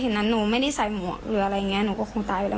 หมวกนี้หนูเป็นหมวกแล้วหรือเปล่า